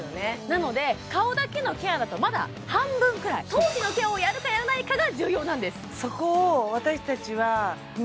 なので顔だけのケアだとまだ半分くらい頭皮のケアをやるかやらないかが重要なんです